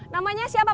namanya siapa pak